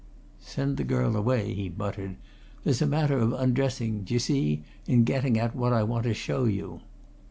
"Send the girl away," he muttered. "There's a matter of undressing d'ye see? in getting at what I want to show you."